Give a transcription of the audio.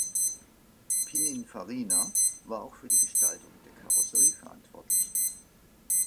Pininfarina war auch für die Gestaltung der Karosserie verantwortlich.